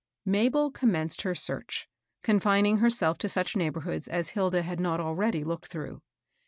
Mabel commenced her search, confining herself to such neighborhoods as Hilda had not already looked through.